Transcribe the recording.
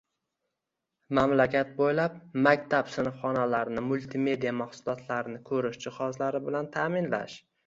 Mamlakat bo‘ylab maktab sinfxonalarini multimedia mahsulotlarini ko‘rish jihozlari bilan ta’minlash.